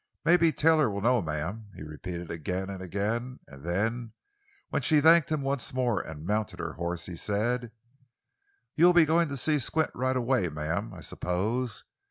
"Mebbe Taylor will know, ma'am," he repeated again and again. And then, when she thanked him once more and mounted her horse, he said: "You'll be goin' to see Squint right away, ma'am, I suppose.